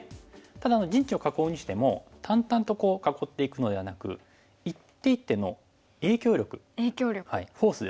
ただ陣地を囲うにしても淡々と囲っていくのではなく一手一手の影響力フォースですね。